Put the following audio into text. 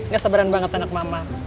gak sabaran banget anak mama